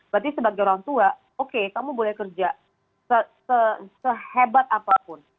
berarti sebagai orang tua oke kamu boleh kerja sehebat apapun